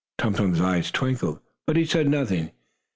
Tum Tum's eyes twinkled, but he said nothing.